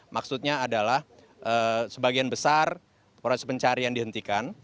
maksudnya adalah sebagian besar proses pencarian dihentikan